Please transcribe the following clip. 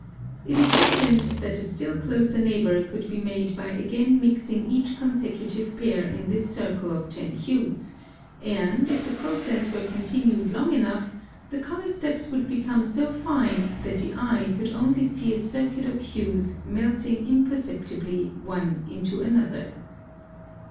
It is evident that a still closer neighbor could be made by again mixing each consecutive pair in this circle of ten hues; and, if the process were continued long enough, the color steps would become so fine that the eye could see only a circuit of hues melting imperceptibly one into another.